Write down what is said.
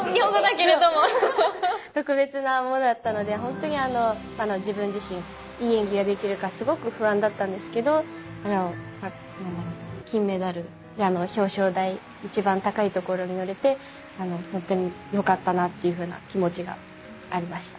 特別なものだったので本当に自分自身いい演技ができるかすごく不安だったんですけど金メダル、表彰台一番高いところに乗れて本当に良かったなという気持ちがありました。